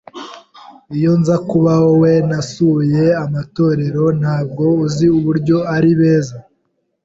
Iyo nza kuba wowe, nasuye amatorero. Ntabwo uzi uburyo ari beza.